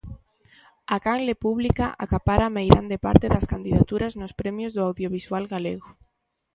A canle pública acapara a meirande parte das candidaturas nos premios do audiovisual galego.